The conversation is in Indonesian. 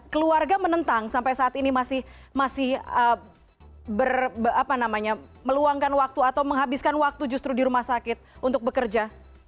keluarga menentang sampai saat ini masih meluangkan waktu atau menghabiskan waktu justru di rumah sakit untuk bekerja